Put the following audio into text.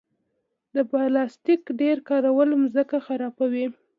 د پلاستیک ډېر کارول ځمکه خرابوي.